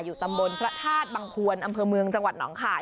ตำบลพระธาตุบังควรอำเภอเมืองจังหวัดหนองข่าย